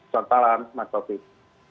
salam mas taufik